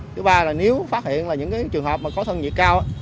thứ ba là nếu phát hiện những trường hợp có thân nhiệt cao